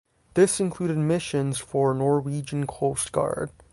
This included missions for Norwegian Coast Guard.